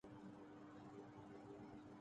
اس میں خاص طور پر پانی پر بھی کچھ کمی ہے